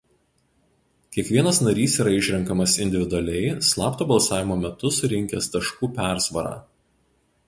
Kiekvienas narys yra išrenkamas individualiai slapto balsavimo metu surinkęs taškų persvarą.